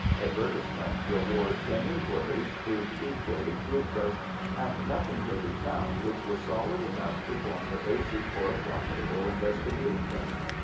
Advertisement, rewards, and inquiries proved equally fruitless, and nothing could be found which was solid enough to form the basis for a profitable investigation.